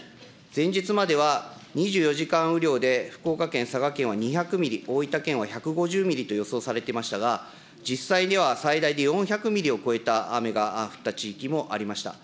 前日までは、２４時間雨量で福岡県、佐賀県は２００ミリ、大分県は１５０ミリと予想されてましたが、実際には最大で４００ミリを超えた雨が降った地域もありました。